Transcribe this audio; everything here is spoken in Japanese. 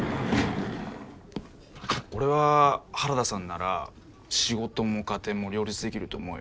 俺は原田さんなら仕事も家庭も両立できると思うよ。